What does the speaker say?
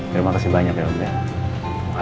terima kasih banyak ya om nirwan